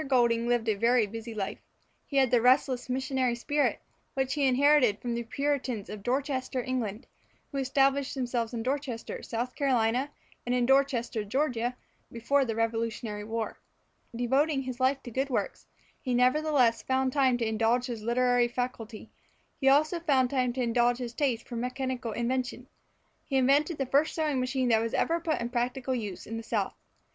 Goulding lived a busy life. He had the restless missionary spirit which he inherited from the Puritans of Dorchester, England, who established themselves in Dorchester, South Carolina, and in Dorchester, Georgia, before the Revolutionary War. Devoting his life to good works, he nevertheless found time to indulge his literary faculty; he also found time to indulge his taste for mechanical invention. He invented the first sewing machine that was ever put in practical use in the South.